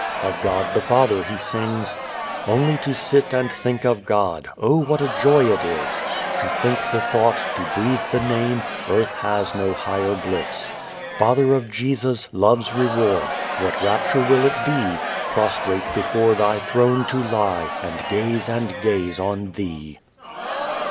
Of God the Father he sings: Only to sit and think of God, Oh what a joy it is! To think the thought, to breathe the Name; Earth has no higher bliss. Father of Jesus, love's reward! What rapture will it be, Prostrate before Thy throne to lie, And gaze and gaze on Thee!